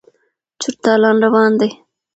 چور تالان روان دی.